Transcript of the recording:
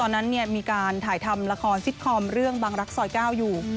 นั้นมีการถ่ายทำละครซิตคอมเรื่องบังรักซอย๙อยู่